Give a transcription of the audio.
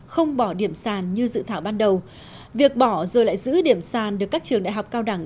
không bỏ điểm sàn như dự thảo ban đầu việc bỏ rồi lại giữ điểm sàn được các trường đại học cao đẳng